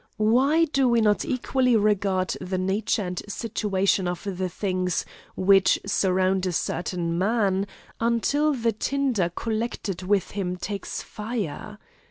Why do we not equally regard the nature and situation of the things which surround a certain man, until the tinder collected within him takes fire?